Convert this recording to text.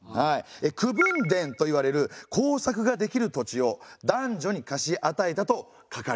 「口分田といわれる耕作ができる土地を男女に貸し与えた」と書かれていますね。